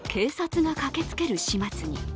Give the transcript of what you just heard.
最後は警察が駆けつける始末に。